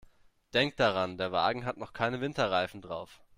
Denk daran, der Wagen hat noch keine Winterreifen drauf.